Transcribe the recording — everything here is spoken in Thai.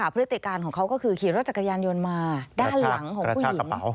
พฤติการของเขาก็คือขี่รถจักรยานยนต์มาด้านหลังของผู้หญิง